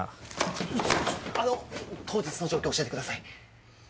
ちょあの当日の状況を教えてください。